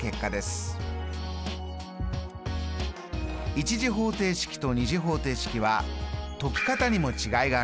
１次方程式と２次方程式は解き方にも違いがあります。